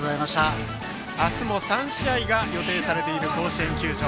明日も３試合が予定されている甲子園球場。